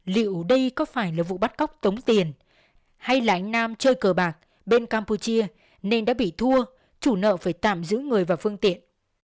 liệu đây có phải là vụ bắt cóc tống tiền hay là anh nam chơi cờ bạc bên campuchia nên đã bị thua chủ nợ phải tạm giữ người và phương tiện